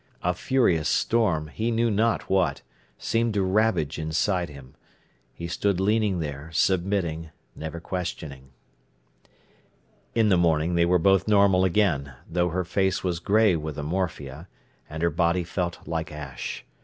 A furious storm, he knew not what, seemed to ravage inside him. He stood leaning there, submitting, never questioning. In the morning they were both normal again, though her face was grey with the morphia, and her body felt like ash.